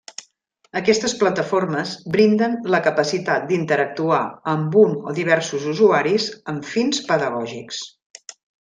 Aquestes plataformes brinden la capacitat d'interactuar amb un o diversos usuaris amb fins pedagògics.